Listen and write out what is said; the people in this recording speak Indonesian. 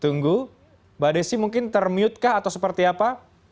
tunggu mbak desi mungkin termute kah atau seperti apa